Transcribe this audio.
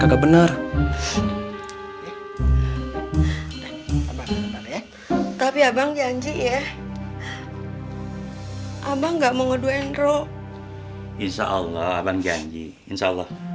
kagak benar tapi abang janji ya abang nggak mau ngeduen roh insyaallah abang janji insyaallah